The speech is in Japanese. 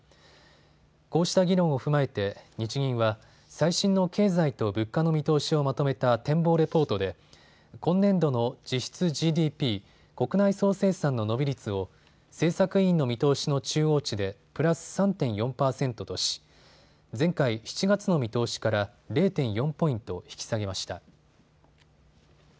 こうした議論を踏まえて日銀は最新の経済と物価の見通しをまとめた展望レポートで今年度の実質ＧＤＰ・国内総生産の伸び率を政策委員の見通しの中央値でプラス３．４％とし、前回７月の見通しから０．４ポイント引き下げました。